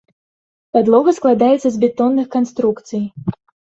Падлога складаецца з бетонных канструкцый.